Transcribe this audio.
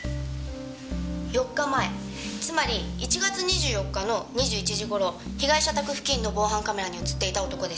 ４日前つまり１月２４日の２１時頃被害者宅付近の防犯カメラに映っていた男です。